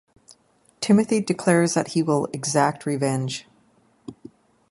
Timothy declares that he will exact revenge.